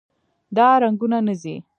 دا رنګونه نه ځي.